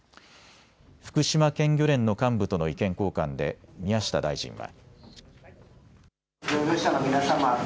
福島県漁連の幹部との意見交換で宮下大臣は。